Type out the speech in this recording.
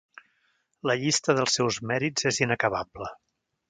La llista dels seus mèrits és inacabable.